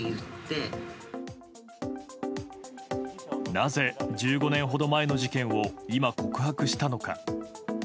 なぜ１５年ほど前の事件を今、告白したのか。